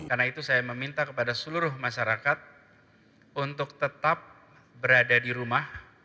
karena itu saya meminta kepada seluruh masyarakat untuk tetap berada di rumah